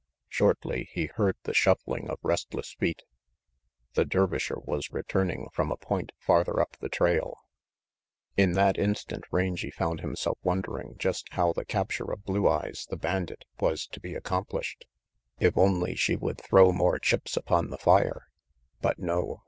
Shortly he heard the shuffling of restless feet. The Dervisher was returning from a point farther up the trail. In that instant Rangy found himself wondering just how the capture of Blue Eyes, the bandit, was to be accomplished. If only she would throw more chips upon the fire. But no.